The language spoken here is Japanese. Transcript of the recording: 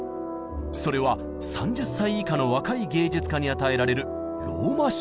それは３０歳以下の若い芸術家に与えられる「ローマ賞」。